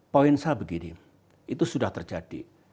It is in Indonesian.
poin saya begini itu sudah terjadi